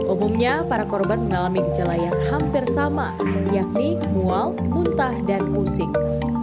umumnya para korban mengalami kejelayan hampir sama yaitu mual muntah dan pusing